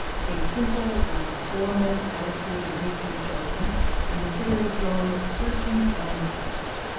A simple, rather formal, attitude is usually chosen, and the sitter is drawn with searching honesty.